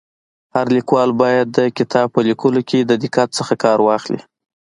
هر لیکوال باید د کتاب په ليکلو کي د دقت څخه کار واخلي.